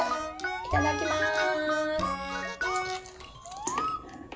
いただきます。